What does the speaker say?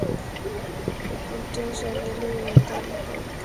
Le contó su anhelo a Monseñor Paul Kelly, quien le pagó su educación.